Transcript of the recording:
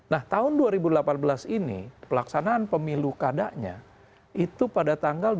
nah tahun dua ribu delapan belas ini pelaksanaan pemilu kadanya itu pada tanggal dua puluh tujuh juni dua ribu delapan belas